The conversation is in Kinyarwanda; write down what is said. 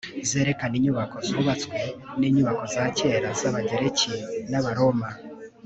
zerekana inyubako zubatswe n'inyubako za kera z'abagereki n'abaroma